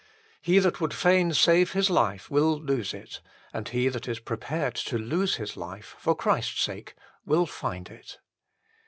He that would fain save his life will lose it; and he that is prepared to lose his life for Christ s sake will find it.